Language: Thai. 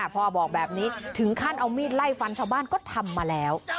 บอกแบบนี้ถึงขั้นเอามีดไล่ฟันชาวบ้านก็ทำมาแล้ว